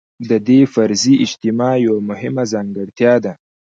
د دې فرضي اجتماع یوه مهمه ځانګړتیا ده.